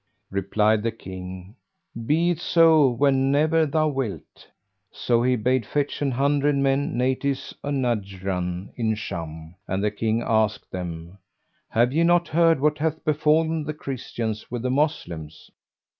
Replied the King, "Be it so whenever thou wilt." So she bade fetch an hundred men, natives of Najrán,[FN#406] in Sham, and the King asked them, "Have ye not heard what hath befallen the Christians with the Moslems?"